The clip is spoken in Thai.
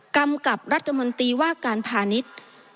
กำกับรัฐมนตรีว่าการพาณิชย์